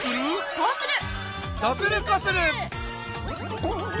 こうする！